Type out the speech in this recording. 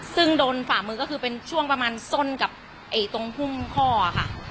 ซึ่งโดนฝ่ามือก็คือเป็นช่วงประมาณส้นกับตรงพุ่มข้อค่ะ